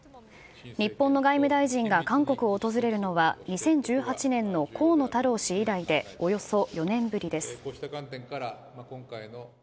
日本の外務大臣が韓国を訪れるのは、２０１８年の河野太郎氏以来で、およそ４年ぶりです。